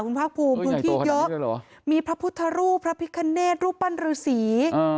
คุณภาคภูมิพื้นที่เยอะมีพระพุทธรูปพระพิคเนตรูปปั้นฤษี